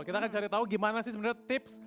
kita akan cari tahu gimana sih sebenarnya tips